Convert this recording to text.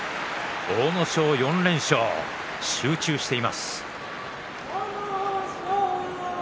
阿武咲、４連勝、集中しています。